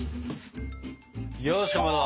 よしかまど